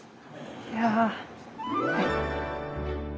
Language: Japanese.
いや。